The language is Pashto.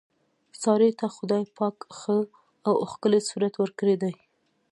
سارې ته خدای پاک ښه او ښکلی صورت ورکړی دی.